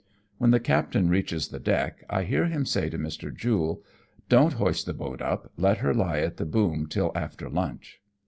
When the captain reaches the deck^ I hear him say to Mr. Jule :" Don^t hoist the boat up ; let her lie at the boom till after lunch."